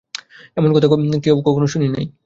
এমন কথাও তো কখনো শুনি নাই।